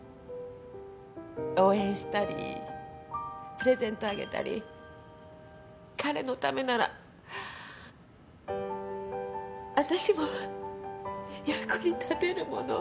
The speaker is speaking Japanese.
応援したりプレゼントあげたり彼のためならあたしも役に立てるもの。